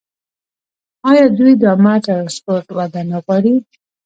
آیا دوی د عامه ټرانسپورټ وده نه غواړي؟